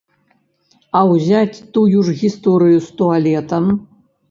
А ўзяць тую ж гісторыю з туалетам.